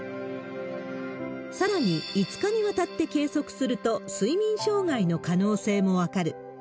さらに、５日にわたって計測すると、睡眠障害の可能性も分かる。